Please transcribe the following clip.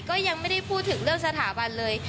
ก็ยังไม่ได้พูดถึงเรื่องสถาบันเลย